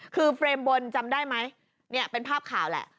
คือเฟรมบนจำได้ไหมเนี่ยเป็นภาพข่าวแหละ